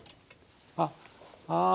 あっああ